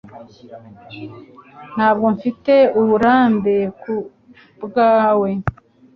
Ntabwo mfite uburambe nkubwawe